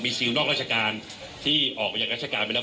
ซิลนอกราชการที่ออกไปจากราชการไปแล้ว